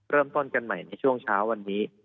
เริ่มต้นกันใหม่ในช่วงเช้าวันนี้